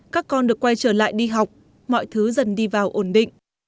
các con được quay trở lại đi học mọi thứ dần đi vào ổn định